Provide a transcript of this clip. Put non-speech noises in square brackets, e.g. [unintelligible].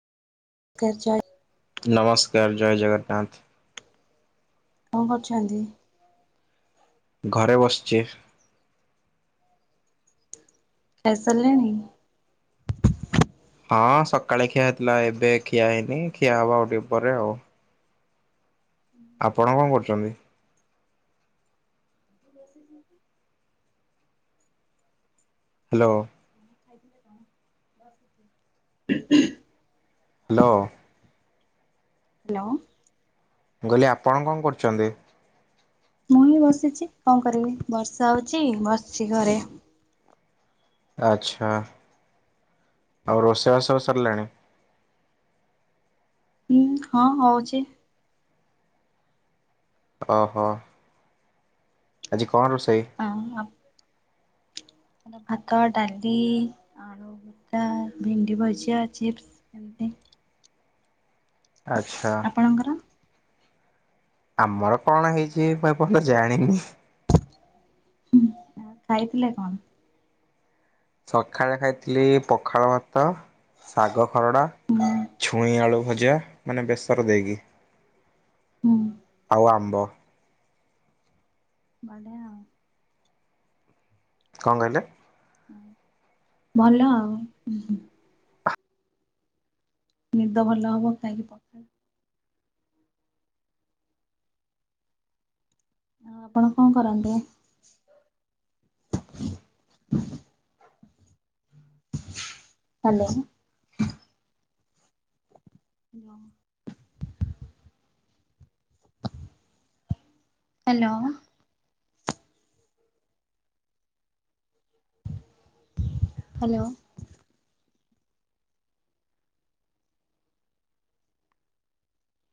ଘ ଯା [unintelligible] ନମସ୍କାର ଜୟ ଜଗନ୍ନାଥ। କଣ କରୁଛନ୍ତି? ଘରେ ବସଛି। ଖାଇ ସାରିଲେଣି? ହଁ ସକାଳେ ଖିଆ ହେଇଥିଲା ଏବେ ଖିଆ ହେଇନି ଖିଆ ହବା ଆଉ ଟିକେ ପରେ ଆଉ। ଆପଣ କଁ କରୁଛନ୍ତି? [inaudible] ହାଲୋ। [unintelligible] ହାଲୋ। ହ୍ୟାଲୋ। ମୁଁ କହିଲି ଆପଣ କଣ କରୁଛନ୍ତି? ମୁଁ ହିଁ ବସିଛି କଣ କରିବି ବର୍ଷା ହଉଛି ବସଚି ଘରେ। ଆଛା ଆଉ ରୋଷେଇବାସ ସବୁ ସରିଲାଣି? ଉଁ ହଁ ହଉଛି। ଓହୋ। ଆଜି କଣ ରୋଷେଇ? ଅ ହଁ। ଭାତ, ଡାଲି ଆଳୁ ଭତା, ଭେଣ୍ଡି ଭଜା, ଚିପ୍ସ୍। ଆଛା। ଆପଣଙ୍କର? ଆମର କଣ ହେଇଛି ମୁଁ ଏପନ୍ତ ଜାଣିନି। ଆ ଖାଇଥିଲେ କଣ? ସକାଳେ ଖାଇଥିଲି ପଖାଳ ଭାତ। ଶାଗ ଖରଡ଼ା, ହୁଁ ଛୁଇଁ ଆଳୁ ଭଜା। ମାନେ ବେସର ଦେଇକି ହୁଁ ଆଉ ଆମ୍ବ। ବଢ଼ିଆ ଉ। କଁ କହିଲେ? ଭଲ ଆଉ। ନିଦ ଭଲ ହବ ଖାଇକି ପ ଆଉ ଆପଣ କଣ କରନ୍ତି? ହ୍ୟାଲୋ। [unintelligible] ହ୍ୟାଲୋ। ହ୍ୟାଲୋ।